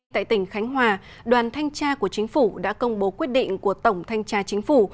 tại tỉnh khánh hòa đoàn thanh tra của chính phủ đã công bố quyết định của tổng thanh tra chính phủ